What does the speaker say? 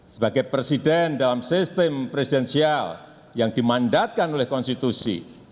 sebagai presiden dalam sistem presidensial yang dimandatkan oleh konstitusi